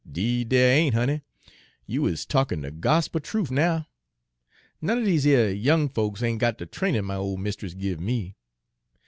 "'Deed dere ain't, honey; you is talkin' de gospel truf now! None er dese yer young folks ain' got de trainin' my ole mist'ess give me.